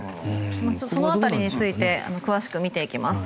その辺りについて詳しく見ていきます。